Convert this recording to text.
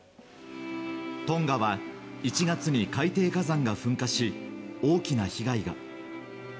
トンガは１月に海底火山が噴火し大きな被害が。